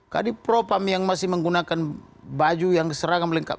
kadipropam yang masih menggunakan baju yang seragam lengkap